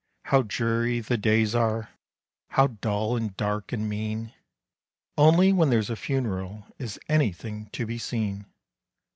how dreary the days are! How dull, and dark, and mean! Only when there's a funeral Is anything to be seen."